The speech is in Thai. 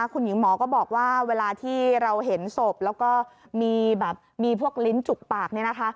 คุณหญิงหมอก็บอกว่าเวลาที่เราเห็นศพแล้วก็มีผลิตนที่จุกปาก